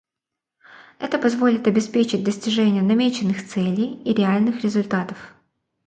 Это позволит обеспечить достижение намеченных целей и реальных результатов.